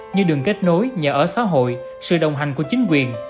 như đường kết nối nhà ở xã hội sự đồng hành của chính quyền